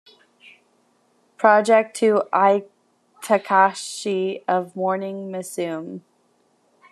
Project to Ai Takahashi of Morning Musume.